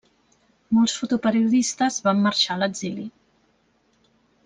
Molts fotoperiodistes van marxar a l'exili.